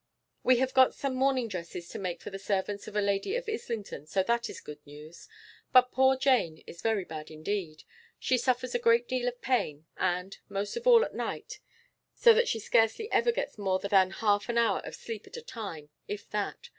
We have got some mourning dresses to make for the servants of a lady in Islington, so that is good news. But poor Jane is very bad indeed. She suffers a great deal of pain, and most of all at night, so that she scarcely ever gets more than half an hour of sleep at a time, if that.